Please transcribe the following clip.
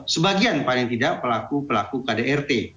sebagian paling tidak pelaku pelaku kdrt